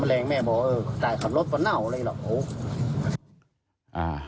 มะแรงแม่บอกเออแต่ขับรถก็เหนาเลยอ่ะ